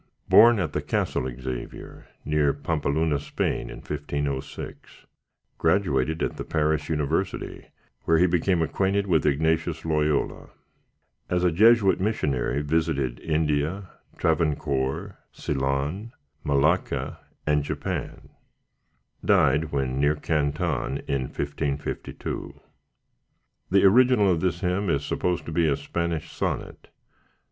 Born at the Castle Xavier, near Pampeluna, Spain, in 1506; graduated at the Paris University, where he became acquainted with Ignatius Loyola; as a Jesuit missionary visited India, Travancore, Ceylon, Malacca, and Japan; died, when near Canton, in 1552. The original of this hymn is supposed to be a Spanish sonnet.